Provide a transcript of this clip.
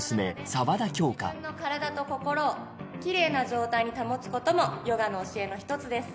自分の体と心をキレイな状態に保つこともヨガの教えの一つです